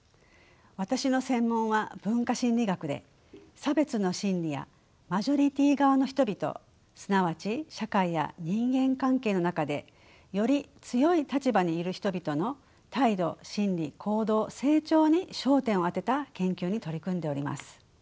私の専門は文化心理学で差別の心理やマジョリティー側の人々すなわち社会や人間関係の中でより強い立場にいる人々の態度心理行動成長に焦点を当てた研究に取り組んでおります。